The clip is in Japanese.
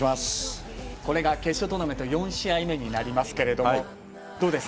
これが決勝トーナメント４試合目になりますけどもどうです？